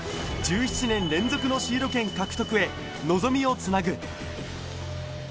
１７年連続のシード権獲得へ望みをつなぐ。